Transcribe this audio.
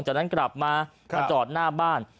จากนั้นกลับมามาจอดหน้าบ้าน